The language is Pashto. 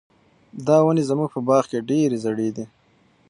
دا ونې زموږ په باغ کې ډېرې زړې دي.